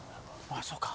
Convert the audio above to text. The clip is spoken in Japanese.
あそうか。